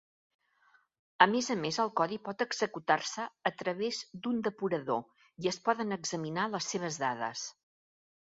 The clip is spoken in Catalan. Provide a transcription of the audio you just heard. A més a més, el codi pot executar-se a través d'un depurador i es poden examinar les seves dades.